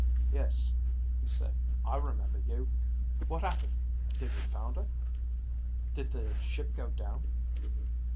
"Yes," he said. "I remember you. What happened? Did we founder? Did the ship go down?"